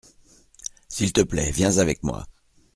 S’il te plait viens avec moi.